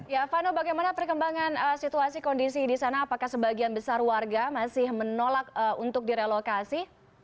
ya vano bagaimana perkembangan situasi kondisi di sana apakah sebagian besar warga masih menolak untuk direlokasi